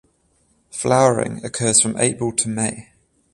Flowering occurs from April to May.